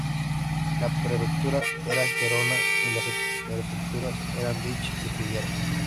La prefectura era Gerona y las subprefecturas eran Vich y Figueras.